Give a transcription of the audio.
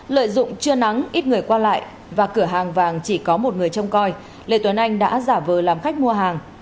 lợi dụng trưa nắng ít người qua lại và cửa hàng vàng chỉ có một người trông coi lê tuấn anh đã giả vờ làm khách mua hàng